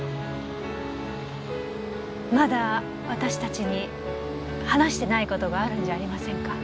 まだ私たちに話してない事があるんじゃありませんか？